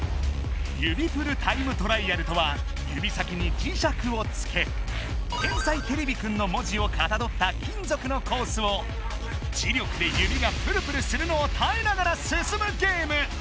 「指プルタイムトライアル！」とは指先に磁石をつけ「天才てれびくん」の文字をかたどった金属のコースを磁力で指がプルプルするのをたえながらすすむゲーム！